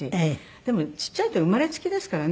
でもちっちゃい生まれつきですからね。